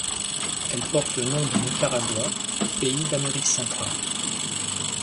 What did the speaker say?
Elle porte le nom du Nicaragua, pays d'Amérique Centrale.